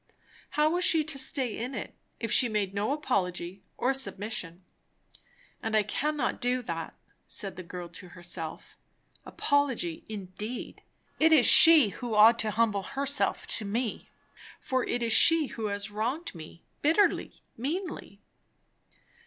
How was she to stay in it, if she made no apology or submission? And I cannot do that, said the girl to herself. Apology indeed! It is she who ought to humble herself to me, for it is she who has wronged me, bitterly, meanly.